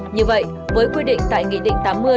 như vậy với quy định tại nghị định tám mươi